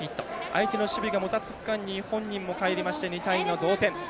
相手の守備がもたつく間に本人もかえりまして２対２の同点。